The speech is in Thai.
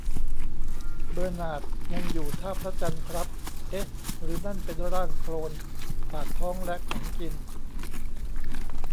เบอร์นาร์ดยังอยู่ท่าพระจันทร์ครับ เอ๊ะ หรือนั่นเป็นร่างโคลน ! ? ปากท้องและของกิน